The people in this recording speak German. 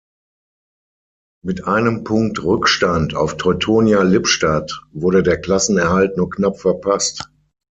Mit einem Punkt Rückstand auf Teutonia Lippstadt wurde der Klassenerhalt nur knapp verpasst.